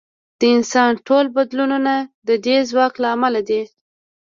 د انسان ټول بدلونونه د دې ځواک له امله دي.